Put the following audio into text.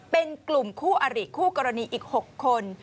เป็นกลุ่มคู่อริคู่กรณีอีก๖คน